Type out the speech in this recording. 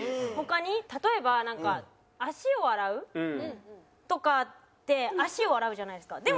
例えばなんか足を洗うとかって「足を洗う」じゃないですか。